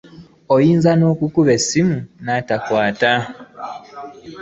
Oyinza n'okukuba essimu n'atakwata.